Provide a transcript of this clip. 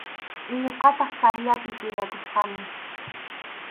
Ñuqataq kaqllapi tiyaykuchkani.